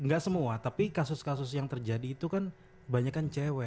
gak semua tapi kasus kasus yang terjadi itu kan banyakan cewe